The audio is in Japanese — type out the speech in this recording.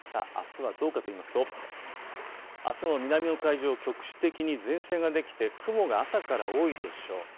あすはどうかといいますとあすの南の海上、局地的に前線ができて雲が朝から多いでしょう。